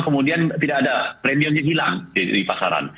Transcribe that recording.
kemudian tidak ada premium yang hilang di pasaran